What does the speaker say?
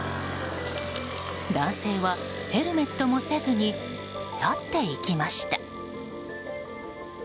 男性はヘルメットもせずに去っていきました。